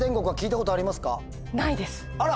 あら！